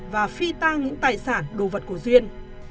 và phi tăng những tài sản đồ vật của duyên